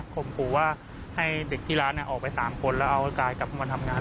ขู่ว่าให้เด็กที่ร้านออกไป๓คนแล้วเอากายกลับเข้ามาทำงาน